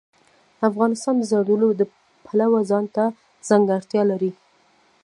افغانستان د زردالو د پلوه ځانته ځانګړتیا لري.